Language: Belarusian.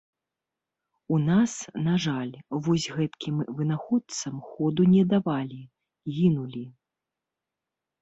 У нас, на жаль, вось гэткім вынаходцам ходу не давалі, гінулі.